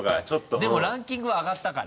でもランキングは上がったから。